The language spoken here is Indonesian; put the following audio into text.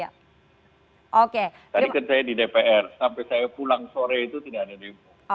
tadi kan saya di dpr sampai saya pulang sore itu tidak ada demo